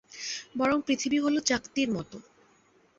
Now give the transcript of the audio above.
বরং পৃথিবী হলো চাকতির মতো।